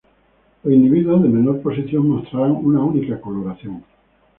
Los individuos de menor posición mostrarán una única coloración.